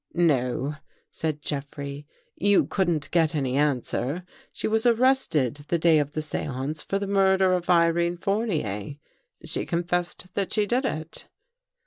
" No," said Jeffrey, " you couldn't get any answer. She was arrested the day of the seance for the murder of Irene Fournier. She confessed that she did it."